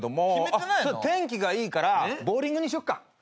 あっ天気がいいからボウリングにしよっか。